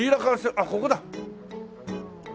あっここだ。